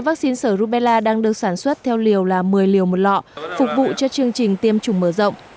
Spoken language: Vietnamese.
vaccine sở rubella đang được sản xuất theo liều là một mươi liều một lọ phục vụ cho chương trình tiêm chủng mở rộng